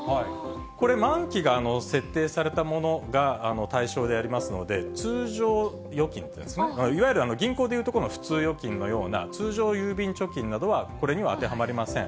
これ、満期が設定されたものが対象になりますので、通常預金というんですね、いわゆる銀行でいうところの普通預金のような、通常郵便貯金などはこれには当てはまりません。